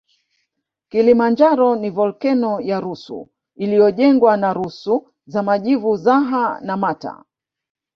Kilimanjaro ni volkeno ya rusu iliyojengwa na rusu za majivu zaha na mata